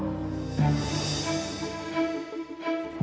tante ambar aku tidak salah